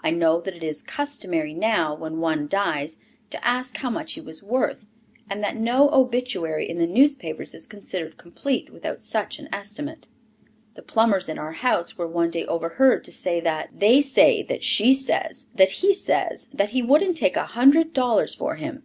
I know that it is customary now, when any one dies, to ask how much he was worth, and that no obituary in the newspapers is considered complete without such an estimate. The plumbers in our house were one day overheard to say that, "They say that she says that he says that he wouldn't take a hundred dollars for him."